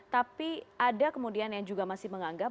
tapi ada kemudian yang juga masih menganggap